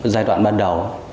giai đoạn ban đầu